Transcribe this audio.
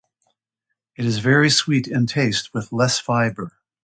It is very sweet in taste with less fiber.